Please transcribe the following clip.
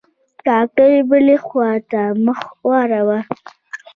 ډاکتر بلې خوا ته مخ واړاوه.